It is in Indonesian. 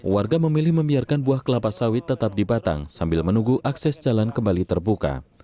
warga memilih membiarkan buah kelapa sawit tetap di batang sambil menunggu akses jalan kembali terbuka